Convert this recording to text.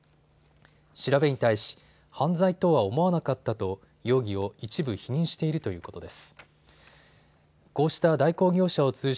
調べに対し、犯罪と思わなかったと容疑を一部否認しているということです。